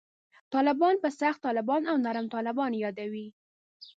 طالبان په «سخت طالبان» او «نرم طالبان» یادوي.